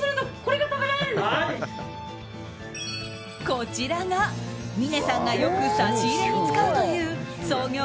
こちらが峰さんがよく差し入れに使うという創業